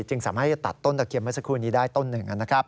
จึงสามารถจะตัดต้นตะเคียนเมื่อสักครู่นี้ได้ต้นหนึ่งนะครับ